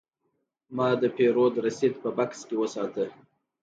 ما د پیرود رسید په بکس کې وساته.